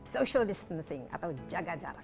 social distancing atau jaga jarak